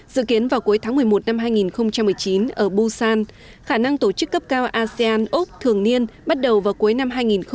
dự kiến vào cuối tháng một mươi một năm hai nghìn một mươi chín ở busan khả năng tổ chức cấp cao asean úc thường niên bắt đầu vào cuối năm hai nghìn hai mươi